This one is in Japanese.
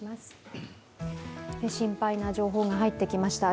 心配な情報が入ってきました。